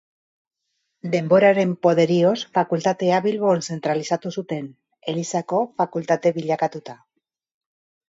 Denboraren poderioz Fakultatea Bilbon zentralizatu zuten, Elizako Fakultate bilakatuta.